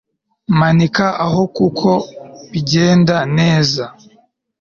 Manika aho kuko bigenda neza